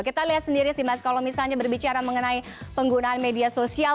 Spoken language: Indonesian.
kita lihat sendiri sih mas kalau misalnya berbicara mengenai penggunaan media sosial